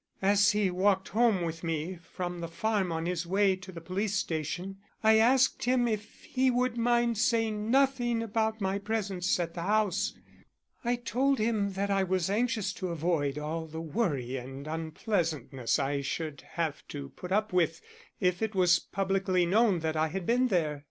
"As he walked home with me from the farm on his way to the police station I asked him if he would mind saying nothing about my presence at the house. I told him that I was anxious to avoid all the worry and unpleasantness I should have to put up with if it was publicly known that I had been there.